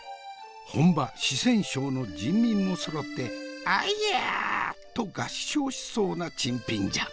本場四川省の人民もそろって「アイヤ！」と合唱しそうな珍品じゃ。